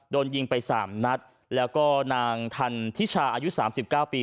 โดนยิงไป๓นัทแล้วก็นางทันธิชาอายุ๓๙ปี